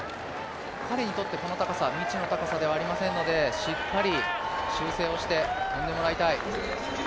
彼にとってこの高さは未知の高さではありませんのでしっかり修正をして跳んでもらいたい。